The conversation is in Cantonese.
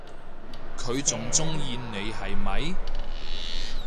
佢仲鍾意你係咪？